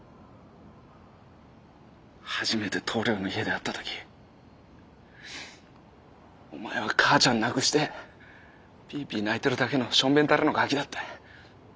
初めて棟梁の家で会った時お前は母ちゃん亡くしてピーピー泣いてるだけの小便たれのガキだった。